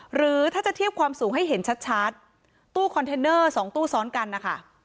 หรือถ้าจะเทียบความสูงให้เห็นชัดตู้คอนเทนเนอร์๒ตู้ซ้อนกันนะคะ